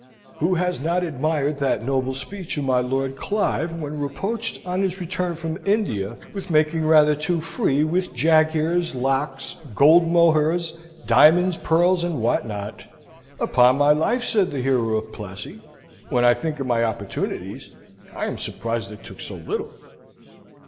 Who has not admired that noble speech of my Lord Clive, when reproached on his return from India with making rather too free with jaghires, lakhs, gold mohurs, diamonds, pearls, and what not? "Upon my life," said the hero of Plassy, "when I think of my opportunities, I am surprised I took so little!"